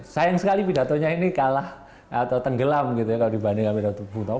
sayang sekali pidatonya ini kalah atau tenggelam gitu ya kalau dibandingkan pidato bung tomo